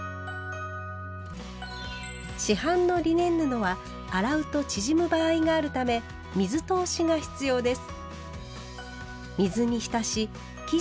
市販のリネン布は洗うと縮む場合があるため「水通し」が必要です。